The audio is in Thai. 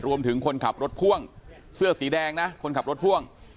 คนขับรถพ่วงเสื้อสีแดงนะคนขับรถพ่วง